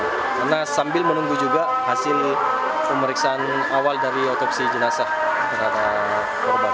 karena sambil menunggu juga hasil pemeriksaan awal dari otopsi jenazah terhadap korban